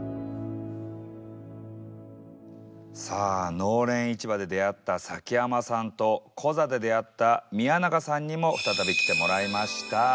さあ農連市場で出会った崎山さんとコザで出会った宮永さんにも再び来てもらいました。